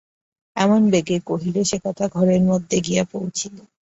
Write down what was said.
এমন বেগে কহিল, সে কথা ঘরের মধ্যে গিয়া পৌঁছিল।